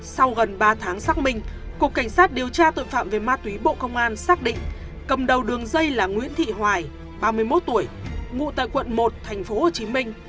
sau gần ba tháng xác minh cục cảnh sát điều tra tội phạm về ma túy bộ công an xác định cầm đầu đường dây là nguyễn thị hoài ba mươi một tuổi ngụ tại quận một tp hcm